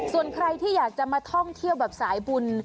ส่วนใครที่อยากจะมาท่องเที่ยวแบบสายบุญ